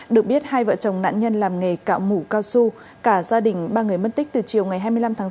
được biết hai vợ chồng nạn nhân làm nghề cạo mũ cao su cả gia đình ba người mất tích từ chiều ngày hai mươi năm tháng sáu